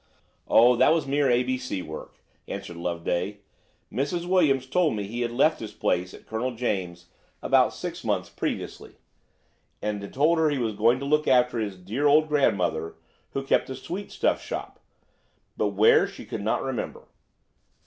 "Oh, that was mere ABC work," answered Loveday. "Mrs. Williams told me he had left his place at Colonel James's about six months previously, and had told her he was going to look after his dear old grandmother, who kept a sweet stuff shop; but where she could not remember.